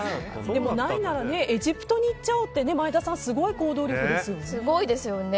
でも、ないならエジプトに行っちゃおうって前田さん、すごい行動力ですよね。